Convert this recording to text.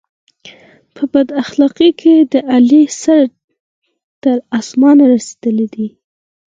په بد اخلاقی کې د علي سر تر اسمانه رسېدلی دی.